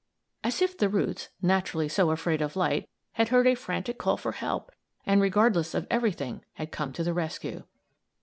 As if the roots, naturally so afraid of light, had heard a frantic call for help and, regardless of everything, had come to the rescue.